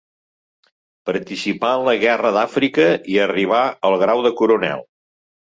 Participà en la Guerra d'Àfrica i arribà al grau de coronel.